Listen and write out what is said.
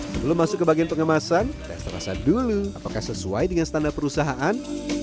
sebelum masuk ke bagian pengemasan tes terasa dulu apakah sesuai dengan standar perusahaan